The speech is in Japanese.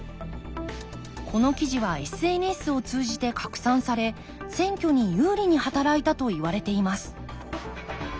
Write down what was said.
この記事はＳＮＳを通じて拡散され選挙に有利に働いたといわれています